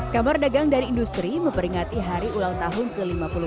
kamar dagang dan industri memperingati hari ulang tahun ke lima puluh tiga